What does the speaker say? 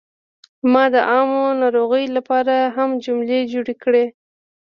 ما د عامو ناروغیو لپاره هم جملې جوړې کړې.